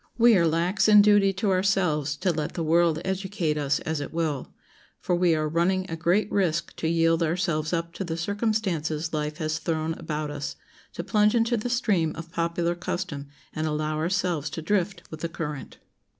We are lax in duty to ourselves to let the world educate us as it will, for we are running a great risk to yield ourselves up to the circumstances life has thrown about us, to plunge into the stream of popular custom and allow ourselves to drift with the current.